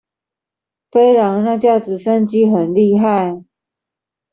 飛狼那架直升機很厲害